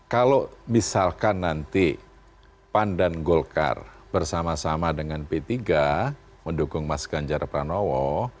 kalau misalkan nanti pan dan golkar bersama sama dengan p tiga mendukung mas ganjar pranowo